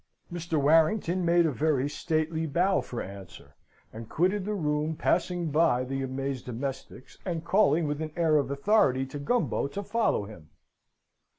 Mr. Warrington made a very stately bow for answer, and quitted the room, passing by the amazed domestics, and calling with an air of authority to Gumbo to follow him.